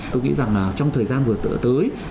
tôi nghĩ rằng trong thời gian vừa tới